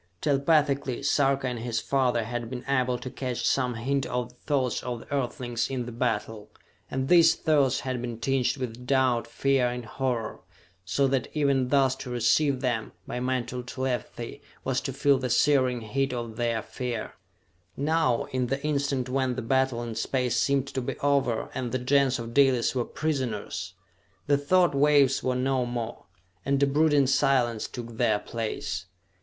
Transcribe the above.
Telepathically, Sarka and his father had been able to catch some hint of the thoughts of the Earthlings in the battle, and these thoughts had been tinged with doubt, fear and horror, so that even thus to receive them, by mental telepathy, was to feel the searing heat of their fear. Now, in the instant when the battle in Space seemed to be over and the Gens of Dalis were prisoners, the thought waves were no more, and a brooding silence took their place.